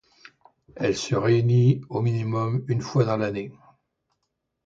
Elle se réunit au minimum une fois dans l'année.